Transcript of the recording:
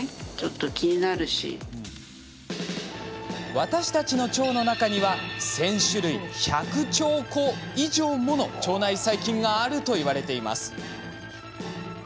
私たちの腸の中には１，０００種類１００兆個以上もの腸内細菌があると言われています